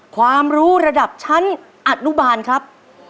ความรู้ระดับชั้นอนุบาลครับ